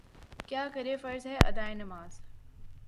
کیا کریں فرض ہے ادائے نماز